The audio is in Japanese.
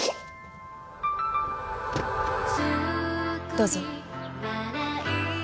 どうぞ。